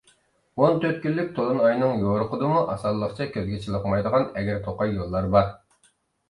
ئون تۆت كۈنلۈك تولۇن ئاينىڭ يورۇقىدىمۇ ئاسانلىقچە كۆزگە چېلىقمايدىغان ئەگىر توقاي يوللار بار.